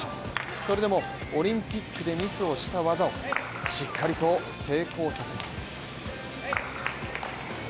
それでもオリンピックでミスをした技をしっかりと成功させます。